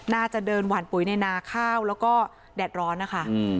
น่าจะเดินหวานปุ๋ยในนาข้าวแล้วก็แดดร้อนนะคะ